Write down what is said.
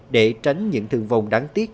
để tránh những thương vong đáng tiếc